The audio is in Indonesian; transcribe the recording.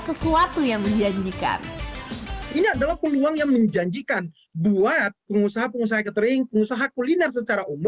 sesuatu yang menjanjikan ini adalah peluang yang menjanjikan buat pengusaha pengusaha catering